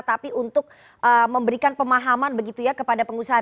tapi untuk memberikan pemahaman begitu ya kepada pengusaha